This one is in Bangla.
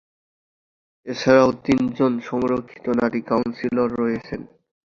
এছাড়াও তিন জন সংরক্ষিত নারী কাউন্সিলর রয়েছেন।